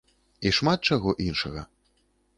І шмат чаго іншага.